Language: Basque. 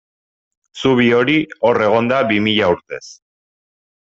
Zubi hori hor egon da bi mila urtez.